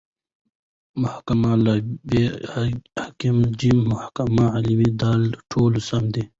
الف: محکوم له ب: حاکم ج: محکوم علیه د: ټوله سم دي